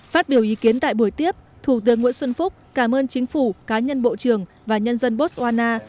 phát biểu ý kiến tại buổi tiếp thủ tướng nguyễn xuân phúc cảm ơn chính phủ cá nhân bộ trưởng và nhân dân botswana